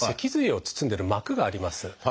脊髄を包んでる膜があります。